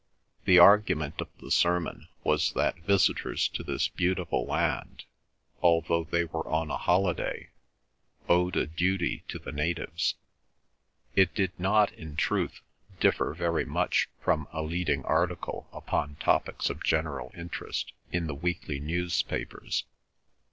The argument of the sermon was that visitors to this beautiful land, although they were on a holiday, owed a duty to the natives. It did not, in truth, differ very much from a leading article upon topics of general interest in the weekly newspapers.